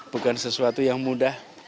bukan sesuatu yang mudah